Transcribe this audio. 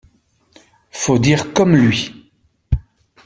Faut dire comme lui.